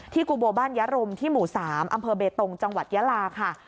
กุโบบ้านยะรมที่หมู่๓อำเภอเบตงจังหวัดยาลาค่ะ